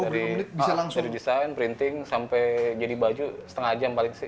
dari sudah didesain printing sampai jadi baju setengah jam paling sih